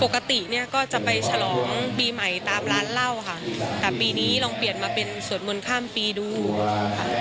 ปกติเนี่ยก็จะไปฉลองปีใหม่ตามร้านเหล้าค่ะแต่ปีนี้ลองเปลี่ยนมาเป็นสวดมนต์ข้ามปีดูค่ะ